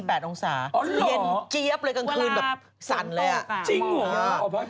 อ๋อเหรอเวลาสมตงค่ะเย็นเกี๊ยบเลยกลางคืนแบบสั่นเลยอ่ะจริงเหรอ